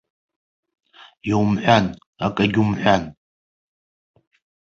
Иумҳәан, акагьы умҳәан!